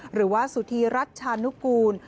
หรือว่าสุธีรัชชานุกูล